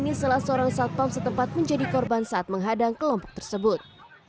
ini salah seorang satpam setempat menjadi korban saat menghadang kelompok tersebut